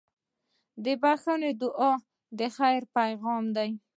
د بښنې دعا د خیر پیغام دی.